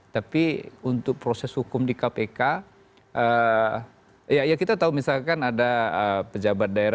tapi untuk proses hukum di kpk ya kita tahu misalkan ada pejabat daerah